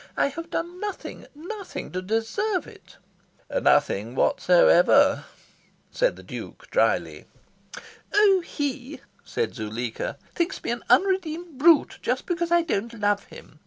I have done nothing, nothing to deserve it." "Nothing whatsoever," said the Duke drily. "Oh HE," said Zuleika, "thinks me an unredeemed brute; just because I don't love him.